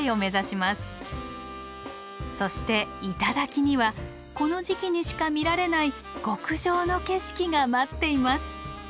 そして頂にはこの時期にしか見られない極上の景色が待っています。